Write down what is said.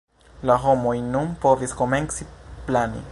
La homoj nun povis komenci plani.